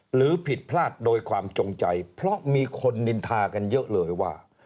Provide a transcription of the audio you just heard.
หรือผิดพลาดโดยความจงใจเพราะมีคนนินทากันเยอะเลยว่า